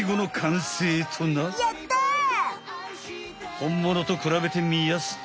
ほんものと比べてみやすと。